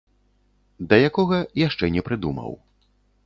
Да якога, яшчэ не прыдумаў.